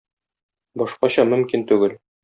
Башкача мөмкин түгел.